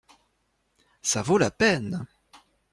Ça vaut la peine.